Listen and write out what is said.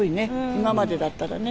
今までだったらね。